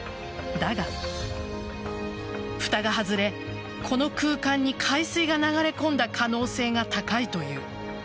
だが、ふたが外れこの空間に海水が流れ込んだ可能性が高いという。